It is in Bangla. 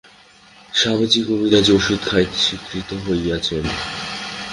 স্বামীজী কবিরাজী ঔষধ খাইতে স্বীকৃত হইয়াছেন।